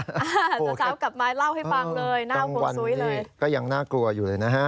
เช้ากลับมาเล่าให้ฟังเลยน่าห่วงซุ้ยเลยก็ยังน่ากลัวอยู่เลยนะฮะ